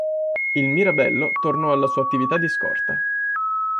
Il "Mirabello" tornò alla sua attività di scorta.